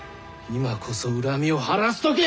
今こそ恨みを晴らす時！